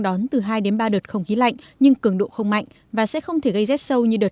đón từ hai đến ba đợt không khí lạnh nhưng cường độ không mạnh và sẽ không thể gây rét sâu như đợt